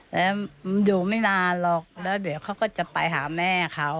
แล้วมันอยู่ไม่นานหรอกแล้วเดี๋ยวเขาก็จะไปหาแม่เขา